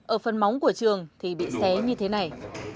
ở phần móng của trường thì bị xé như thế này